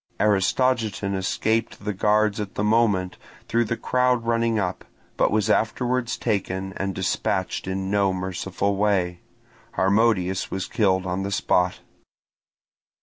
Aristogiton escaped the guards at the moment, through the crowd running up, but was afterwards taken and dispatched in no merciful way: Harmodius was killed on the spot.